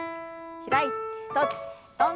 開いて閉じて跳んで。